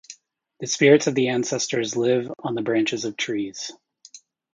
The spirits of their ancestors live on the branches of trees.